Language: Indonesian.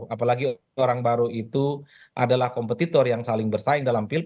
apalagi orang baru itu adalah kompetitor yang saling bersaing dalam pilpres